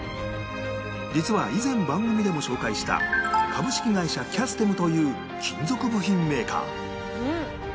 実は以前番組でも紹介した株式会社キャステムという金属部品メーカー